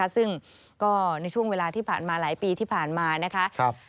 ซึ่งก็ในช่วงเวลาที่ผ่านมาหลายปีที่ผ่านมานะคะ